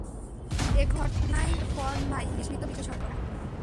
এ ঘটনায় যারপর নাই বিস্মিত বিশেষজ্ঞরা।